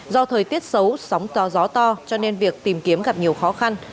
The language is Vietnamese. do thời tiết xấu sóng to gió to cho nên việc tìm kiếm gặp nhiều khó khăn